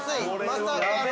まさかの。